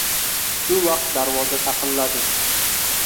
Shu vaqt darvoza taqilladi.